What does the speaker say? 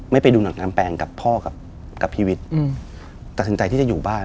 ไปดูหนังงามแปลงกับพ่อกับพี่วิทย์ตัดสินใจที่จะอยู่บ้าน